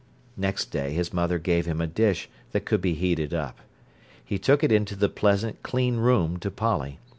Next day his mother gave him a dish that could be heated up. He took it into the pleasant, clean room to Polly.